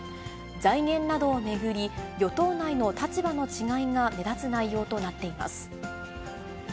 財源などを巡り、与党内の立場の違いが目立つ内容となっています。